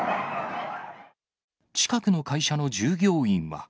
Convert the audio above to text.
近くの会社の従業員は。